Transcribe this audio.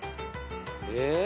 えっ？